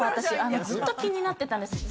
ずっと気になってたんです。